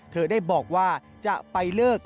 เธอได้บอกว่าจะไปเลิก